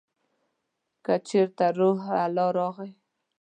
که چېرته روح الله راغی !